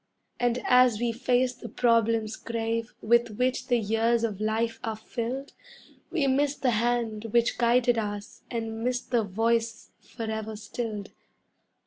And as we face the problems grave with which the years of life are filled, We miss the hand which guided us and miss the voice forever stilled.